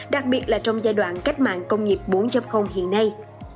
đặc biệt là trong giai đoạn cách mạng công nghiệp bốn hiện nay